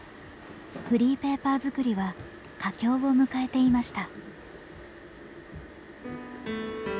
フリーペーパー作りは佳境を迎えていました。